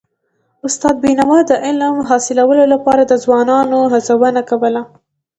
استاد بينوا د علم حاصلولو لپاره د ځوانانو هڅونه کوله.